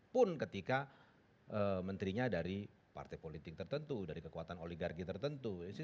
pun ketika menterinya dari partai politik tertentu dari kekuatan oligarki tertentu